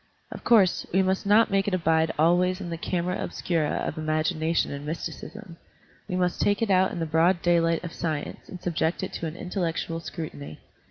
Of cotirse, we must not make it abide always in the camera obscura of imagination and mysti cism. We must take it out in the broad daylight of science and subject it to an intellectual scru tiny.